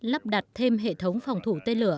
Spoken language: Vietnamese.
lắp đặt thêm hệ thống phòng thủ tên lửa